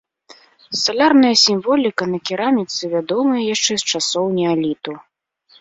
Салярная сімволіка на кераміцы вядомыя яшчэ з часоў неаліту.